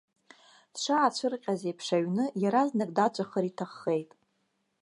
Дшаацәырҟьаз еиԥш аҩны иаразнак даҵәахыр иҭаххеит.